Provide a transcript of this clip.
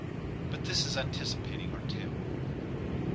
But this is anticipating our tale.